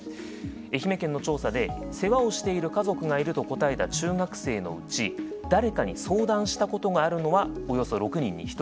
愛媛県の調査で「世話をしている家族がいる」と答えた中学生のうち誰かに相談したことがあるのはおよそ６人に１人